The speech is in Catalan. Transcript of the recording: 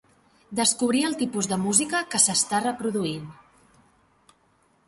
Descobrir el tipus de música que s'està reproduint.